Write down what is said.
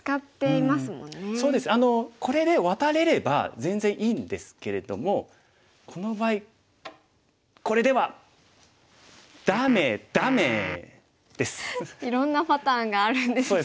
これでワタれれば全然いいんですけれどもこの場合これではいろんなパターンがあるんですね。